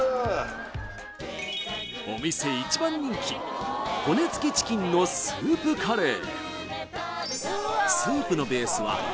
お店一番人気骨付きチキンのスープカレー